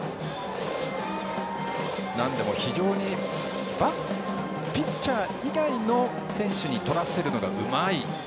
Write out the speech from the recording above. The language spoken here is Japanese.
なんでも非常にピッチャー以外の選手にとらせるのがうまい。